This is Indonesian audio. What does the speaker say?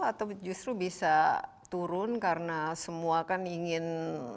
atau justru bisa turun karena semua kan ingin